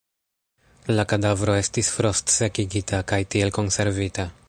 La kadavro estis frost-sekigita kaj tiel konservita.